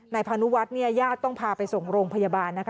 ในพาณุวัฒน์ญาติต้องพาไปส่งโรงพยาบาลนะคะ